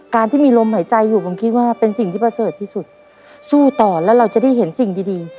การที่มีลมหายใจอยู่ผมคิดว่าเป็นสิ่งที่ประเสริฐที่สุดสู้ต่อแล้วเราจะได้เห็นสิ่งดีดี